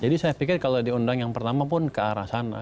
jadi saya pikir kalau diundang yang pertama pun ke arah sana